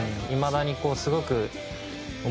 いまだにすごく。